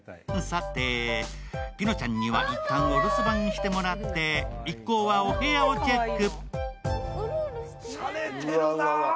さて、ピノちゃんにはいったん留守番してもらって一行はお部屋をチェック。